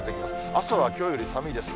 朝はきょうより寒いです。